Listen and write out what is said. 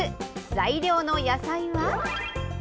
材料の野菜は。